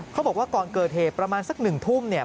บอกว่าก่อนเกิดเหตุประมาณสัก๑ทุ่มเนี่ย